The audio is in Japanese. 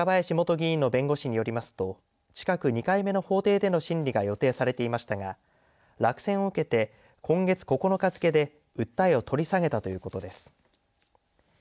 若林元議員の弁護士によりますと近く２回目の法廷での審理が予定されていましたが落選を受けて今月９日付けで訴えを取り下げたということです。